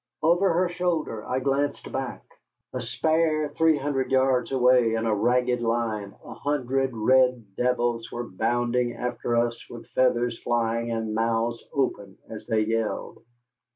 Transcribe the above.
Over her shoulder I glanced back. A spare three hundred yards away in a ragged line a hundred red devils were bounding after us with feathers flying and mouths open as they yelled.